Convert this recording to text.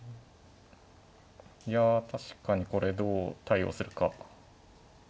いや確かにこれどう対応するか。